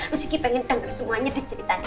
miss kiki pengen denger semuanya di ceritanya